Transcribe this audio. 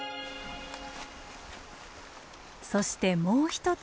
そしてもう一つ